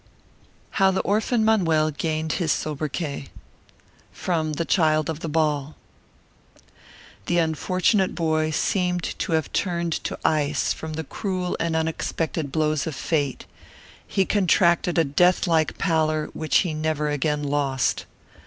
HOW THE ORPHAN MANUEL GAINED HIS SOBRIQUET From 'The Child of the Ball' The unfortunate boy seemed to have turned to ice from the cruel and unexpected blows of fate; he contracted a death like pallor, which he never again lost.